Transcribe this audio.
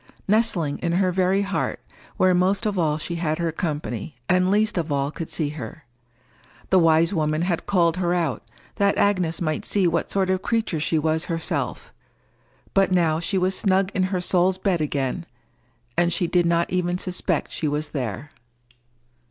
Nestling in her very heart, where most of all she had her company, and least of all could see her. The wise woman had called her out, that Agnes might see what sort of creature she was herself; but now she was snug in her soul's bed again, and she did not even suspect she was there.